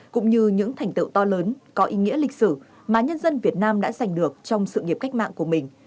cũng như những thành tựu to lớn có ý nghĩa lịch sử mà nhân dân việt nam đã giành được trong sự nghiệp cách mạng của mình